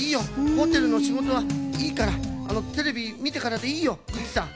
ホテルのしごとはいいからテレビみてからでいいよグッチさん。